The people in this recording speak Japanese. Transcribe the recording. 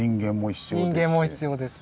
人間も必要です。